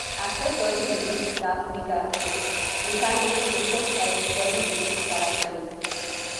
After Kirby defeats Dark Meta Knight, Meta Knight himself helps Kirby defeat Dark Mind.